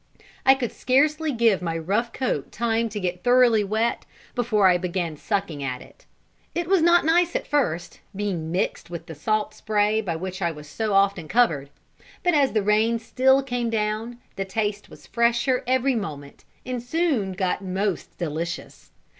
I could scarcely give my rough coat time to get thoroughly wet before I began sucking at it. It was not nice at first, being mixed with the salt spray by which I had been so often covered; but as the rain still came down, the taste was fresher every moment, and soon got most delicious.